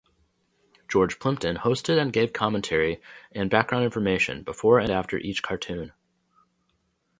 George Plimpton hosted and gave commentary and background information before and after each cartoon.